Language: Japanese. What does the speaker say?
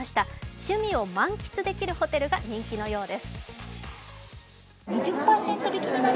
趣味を満喫できるホテルが人気のようです。